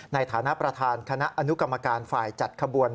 ในฐานะประธานคณะอนุกรรมการฝ่ายจัดขบวน